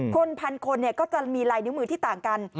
คนพันคนก็จะมีลายนิ้วมือที่ต่างกัน